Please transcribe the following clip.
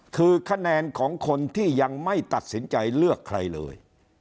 คือคะแนนของคนที่ยังไม่ตัดสินใจเลือกใครเลย